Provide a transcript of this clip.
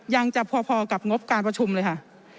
ยังจะพอกับงบการประชุมเลยค่ะ